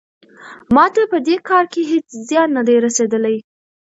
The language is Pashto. ما ته په دې کار کې هیڅ زیان نه دی رسیدلی.